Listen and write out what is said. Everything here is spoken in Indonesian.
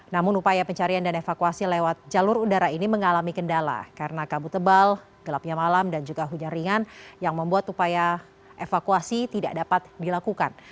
namun upaya pencarian dan evakuasi lewat jalur udara ini mengalami kendala karena kabut tebal gelapnya malam dan juga hujan ringan yang membuat upaya evakuasi tidak dapat dilakukan